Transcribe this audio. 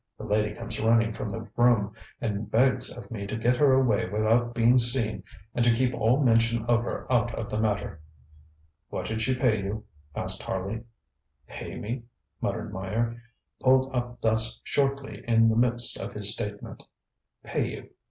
The lady comes running from the room and begs of me to get her away without being seen and to keep all mention of her out of the matter. ŌĆØ ŌĆ£What did she pay you? ŌĆØ asked Harley. ŌĆ£Pay me? ŌĆØ muttered Meyer, pulled up thus shortly in the midst of his statement. ŌĆ£Pay you.